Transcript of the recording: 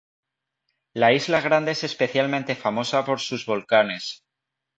La Isla Grande es especialmente famosa por sus volcanes.